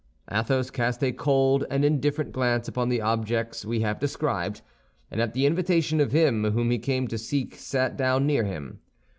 Athos cast a cold and indifferent glance upon the objects we have described, and at the invitation of him whom he came to seek sat down near him.